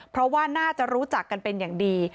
เพราะว่าน่าจะรู้จักกันเป็นอย่างดี